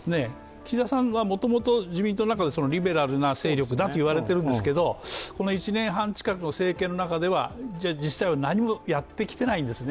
岸田さんはもともと自民党の中でリベラルな勢力だと言われているんですけど、この１年半近くの政権のなかでは実際に何もやってきていないんですね。